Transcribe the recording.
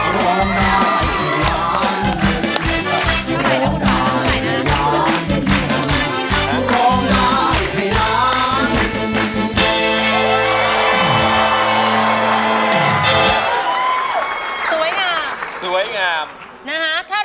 ร้องได้ให้ล้าน